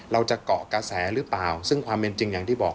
เราจะเกาะกระแสหรือเปล่าซึ่งความเป็นจริงอย่างที่บอก